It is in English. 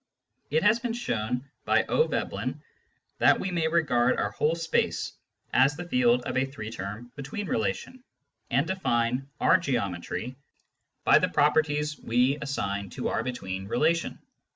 It has been shown by 0. Veblen that we may regard our whole space as the field of a three term between relation, and define our geometry by the properties we assign to our between relation.